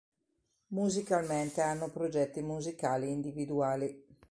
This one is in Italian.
Musicalmente hanno progetti musicali individuali.